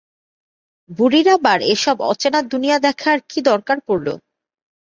বুড়ির আবার এসব অচেনা দুনিয়া দেখার কি দরকার পড়ল?